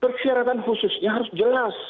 persyaratan khususnya harus jelas